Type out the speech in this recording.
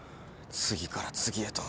次から次へと。